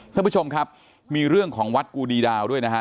ท่านผู้ชมครับมีเรื่องของวัดกูดีดาวด้วยนะฮะ